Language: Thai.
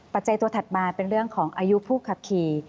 ตัวถัดมาเป็นเรื่องของอายุผู้ขับขี่